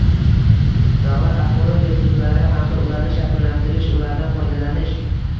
Davlat axborot resurslari hamda ularni shakllantirish, ulardan foydalanish